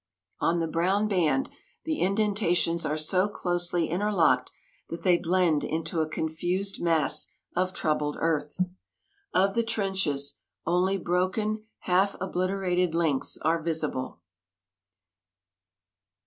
On the brown band the indentations are so closely interlocked that they blend into a confused mass of troubled earth. Of the trenches only broken, half obliterated links are visible.